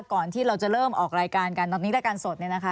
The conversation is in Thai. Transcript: ก่อนที่เราจะเริ่มออกรายการกันตอนนี้รายการสดเนี่ยนะคะ